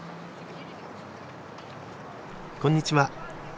こんにちは。